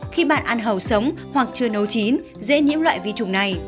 khi bạn ăn hầu sống hoặc chưa nấu chín dễ nhiễm loại vi trùng này